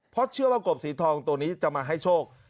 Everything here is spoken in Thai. เพราะเชื่อว่ากบสีทองตัวนี้จะมาให้โชค